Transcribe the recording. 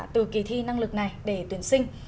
từ kỳ thi năng lực này để tuyển sinh